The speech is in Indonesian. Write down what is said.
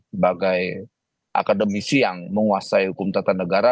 sebagai akademisi yang menguasai hukum tata negara